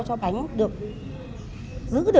cốm hà nội huyện từ liêm hà nội domi opini nh